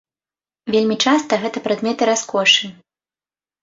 Вельмі часта гэта прадметы раскошы.